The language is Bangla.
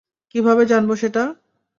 কীভাবে জানব সেটা?